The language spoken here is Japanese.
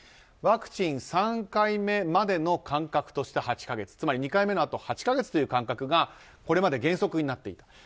ワクチン３回目までの間隔として８か月つまり２回目のあとから８か月というのがこれまで原則になっていた。